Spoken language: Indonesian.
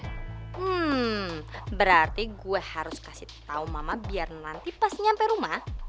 hmm berarti gue harus kasih tahu mama biar nanti pas nyampe rumah